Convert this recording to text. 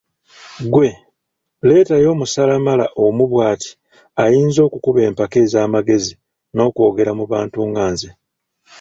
Ggwe leetayo omusalamala omu bwati ayinza okukuba empaka ez’amagezi n’okwogera mu bantu nga nze.